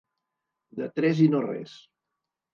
De tres i no res.